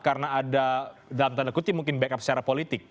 karena ada dalam tanda kutip mungkin backup secara politik